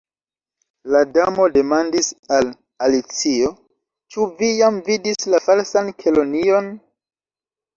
La Damo demandis al Alicio: "Ĉu vi jam vidis la Falsan Kelonion?"